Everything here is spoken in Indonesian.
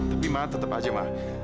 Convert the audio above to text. tapi mak tetap aja mak